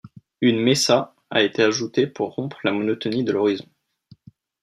Une mesa a été ajoutée pour rompre la monotonie de l'horizon.